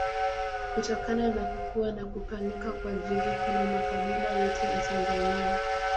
Kutokana na kukua na kupanuka kwa jiji kuna makabila yote ya Tanzania.